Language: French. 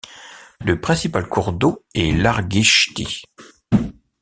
Le principal cours d'eau est l'Argichti.